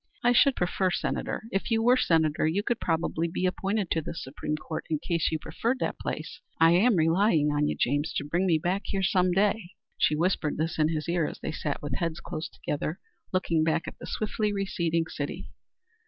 "I should prefer Senator. If you were Senator, you could probably be appointed to the Supreme Court in case you preferred that place. I am relying on you, James, to bring me back here some day." She whispered this in his ear, as they sat with heads close together looking back at the swiftly receding city.